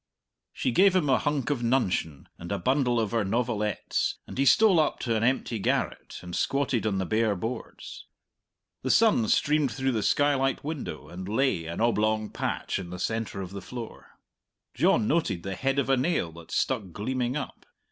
She gave him a hunk of nuncheon and a bundle of her novelettes, and he stole up to an empty garret and squatted on the bare boards. The sun streamed through the skylight window and lay, an oblong patch, in the centre of the floor. John noted the head of a nail that stuck gleaming up.